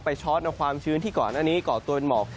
ช้อนเอาความชื้นที่ก่อนหน้านี้ก่อตัวเป็นหมอก